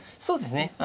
そうですね。